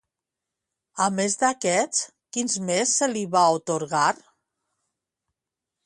A més d'aquest, quins més se li va atorgar?